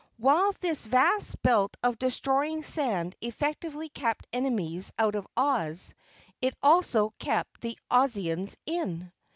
While this vast belt of destroying sand effectively kept enemies out of Oz, it also kept the Ozians in.